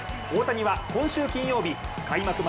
大谷は今週金曜日開幕